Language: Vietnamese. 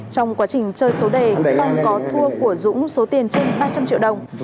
trong quá trình chơi số đề phong có thua của dũng số tiền trên ba trăm linh triệu đồng